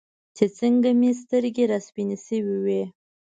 چې څنګه مې سترګې راسپینې شوې وې.